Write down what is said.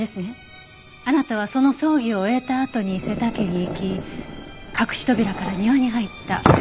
あなたはその葬儀を終えたあとに瀬田家に行き隠し扉から庭に入った。